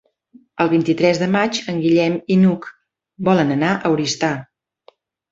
El vint-i-tres de maig en Guillem i n'Hug volen anar a Oristà.